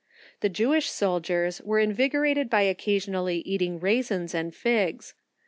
The Jewish soldiers were invigorated by occa sionally eating raisins and figs.